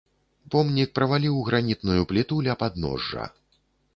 Помнік праваліў гранітную пліту ля падножжа.